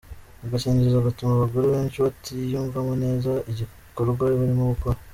Agakingirizo gatuma abagore benshi batiyumvamo neza igikorwa barimo gukora.